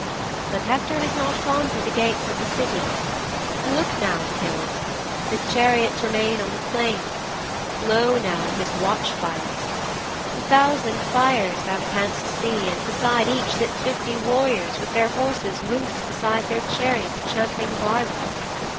"' '"But Hector has not gone through the gates of the City. Look now, Achilles! His chariots remain on the plain. Lo now, his watch fires! A thousand fires thou canst see and beside each sits fifty warriors with their horses loose beside their chariots champing barley.